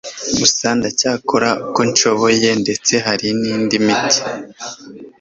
Gusa ndacyakora uko nshoboye ndetse hari nindi miti